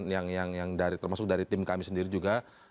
yang dari termasuk dari tim kami sendiri juga